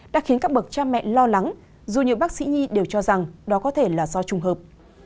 đã khiến các bậc cha mẹ lo lắng dù nhiều bác sĩ nhi đều cho rằng đó có thể là do trùng hợp